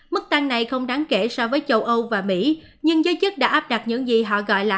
mức tăng này không đáng kể so với châu âu và mỹ nhưng giới chức đã áp đặt những gì họ gọi là